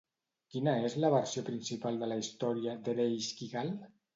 Quina és la versió principal de la història d'Ereixkigal?